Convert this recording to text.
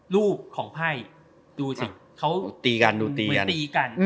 รูปของไพ่ดูสิเขาตีกัน